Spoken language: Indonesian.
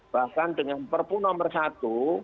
bahkan dengan perpu nomor satu